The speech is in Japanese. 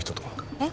えっ？